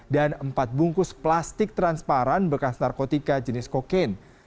dan empat bungkus plastik transparan bekas narkotika jenis kokain